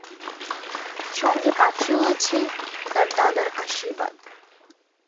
সঙ্গে পাথেয় আছে, তার দাদার আশীর্বাদ।